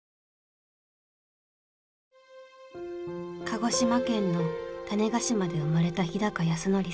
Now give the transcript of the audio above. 鹿児島県の種子島で生まれた日高安典さん。